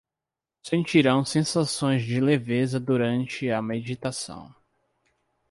Sentirão sensações de leveza durante a meditação